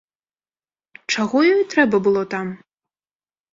Чаго ёй трэба было там?